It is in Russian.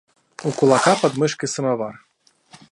У кулака под мышкой самовар.